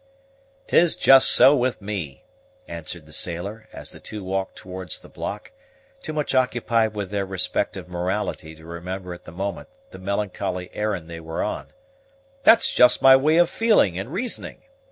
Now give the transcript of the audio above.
"'Tis just so with me," answered the sailor, as the two walked towards the block, too much occupied with their respective morality to remember at the moment the melancholy errand they were on; "that's just my way of feeling and reasoning.